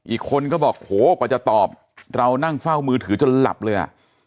อีกคนก็บอกโหกว่าจะตอบเรานั่งเฝ้ามือถือจนหลับเลยอ่ะ